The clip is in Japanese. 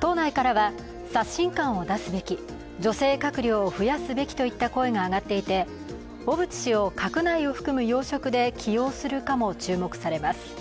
党内からは刷新感を出すべき女性閣僚を増やすべきといった声が上がっていて小渕氏を閣内を含む要職で起用するかも注目されます。